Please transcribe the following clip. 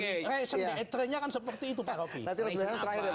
resong dtre nya kan seperti itu pak roky